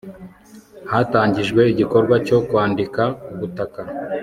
hatangijwe igikorwa cyo kwandika ubutaka